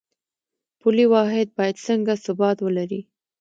پولي واحد باید څنګه ثبات ولري؟